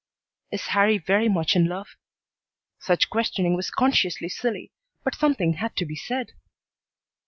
"Is Harrie very much in love?" Such questioning was consciously silly, but something had to be said.